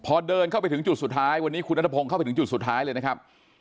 พอเดินเข้าไปถึงจุดสุดท้ายวันนี้คุณนัทพงศ์เข้าไปถึงจุดสุดท้ายเลยนะครับ